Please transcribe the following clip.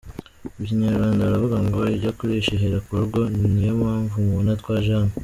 Mu Kinyarwanda baravuga ngo ijya kurisha ihera ku rugo, niyo mpamvu mubona twaje hano.